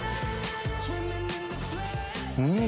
うん！